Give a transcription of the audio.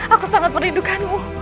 aku sangat merindukanmu